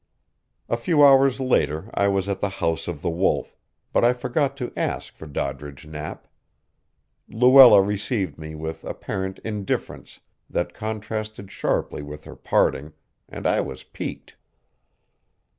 A few hours later I was at the house of the Wolf, but I forgot to ask for Doddridge Knapp. Luella received me with apparent indifference that contrasted sharply with her parting, and I was piqued.